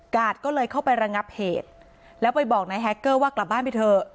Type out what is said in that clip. ก็เลยเข้าไประงับเหตุแล้วไปบอกนายแฮคเกอร์ว่ากลับบ้านไปเถอะ